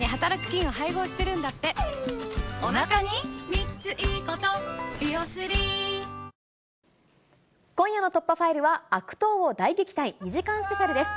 ニトリ今夜の突破ファイルは、悪党を大撃退２時間スペシャルです。